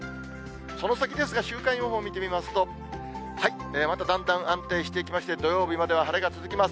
その先ですが、週間予報見てみますと、まただんだん安定してきまして、土曜日まで晴れが続きます。